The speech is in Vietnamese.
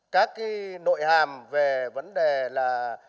các nội hàm về vấn đề là